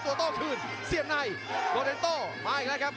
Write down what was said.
ประโยชน์ทอตอร์จานแสนชัยกับยานิลลาลีนี่ครับ